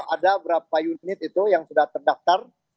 ada berapa unit itu yang sudah terdaftar